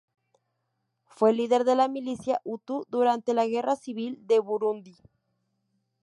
Fue líder de la milicia hutu durante la guerra civil de Burundi.